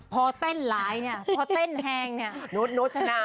พอเต้นหลายเนี่ยพอเต้นแฮงเนี่ยนุษนา